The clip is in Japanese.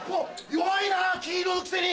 弱いな金色のくせに！